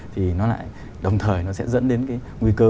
thì nó lại đồng thời nó sẽ dẫn đến cái nguy cơ